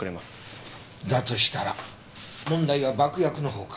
だとしたら問題は爆薬の方か。